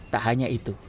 tak hanya itu